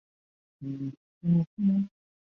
此规则为联合包裹服务公司所采用。